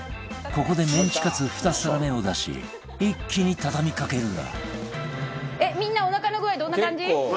ここでメンチカツ２皿目を出し一気に畳みかけるが